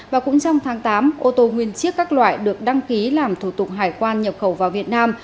và cũng trong tháng tám ô tô nguyên chiếc các loại được đăng ký làm thủ tục hải quan nhập khẩu vào việt nam